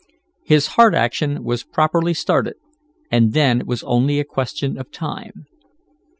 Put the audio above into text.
His heart action was properly started, and then it was only a question of time.